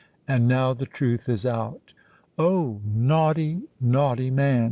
"And now the truth is out." "Oh! naughty—naughty man!"